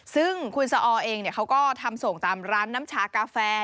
ซึ่งคุณสอเองเขาก็ทำส่งตามร้านน้ำชากาแฟ